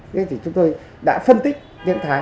thế thì chúng tôi đã phân tích tiếng thái